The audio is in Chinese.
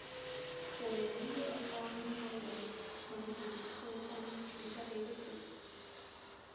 椭圆叶花锚为龙胆科花锚属下的一个种。